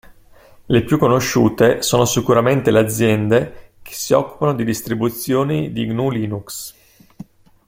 Le più conosciute sono sicuramente le aziende che si occupano di distribuzioni di GNU/Linux.